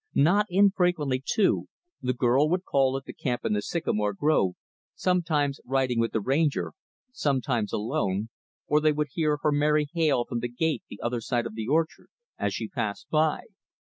Not infrequently, too, the girl would call at the camp in the sycamore grove sometimes riding with the Ranger, sometimes alone; or they would hear her merry hail from the gate the other side of the orchard as she passed by.